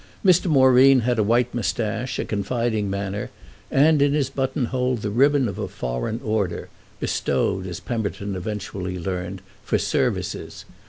Mr. Moreen had a white moustache, a confiding manner and, in his buttonhole, the ribbon of a foreign order—bestowed, as Pemberton eventually learned, for services.